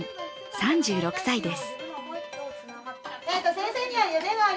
３６歳です。